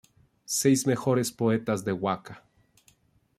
Seis mejores poetas de waka